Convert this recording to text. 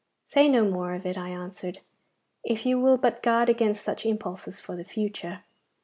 'Say no more of it,' I answered, 'if you will but guard against such impulses for the future.